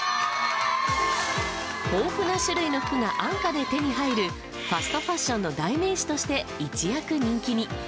豊富な種類の服が安価で手に入るファストファッションの代名詞として一躍人気に。